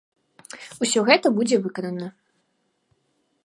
Усё гэта будзе выканана.